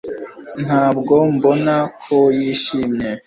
Ntabwo mbona ko yishimye